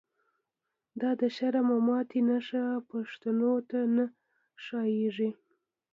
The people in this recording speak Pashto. دا د شرم او ماتی نښی، پښتنو ته نه ښا ييږی